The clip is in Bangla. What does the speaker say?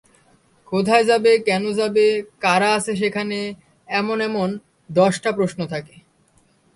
কোথায় যাবে, কেন যাবে, কারা আছে সেখানে—এমন এমন দশটা প্রশ্ন থাকে।